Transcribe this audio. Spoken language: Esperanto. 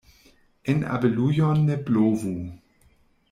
En abelujon ne blovu.